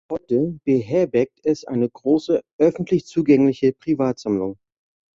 Heute beherbergt es eine große, öffentlich zugängliche Privatsammlung.